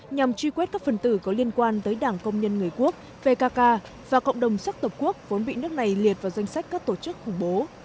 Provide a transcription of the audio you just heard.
nhằm truy quét các phần tử có liên quan tới đảng công nhân người quốc pkk và cộng đồng sắc tộc quốc vốn bị nước này liệt vào danh sách các tổ chức khủng bố